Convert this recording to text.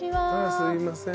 すいません。